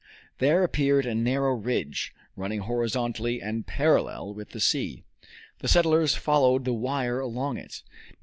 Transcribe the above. There appeared a narrow ridge, running horizontally and parallel with the sea. The settlers followed the wire along it.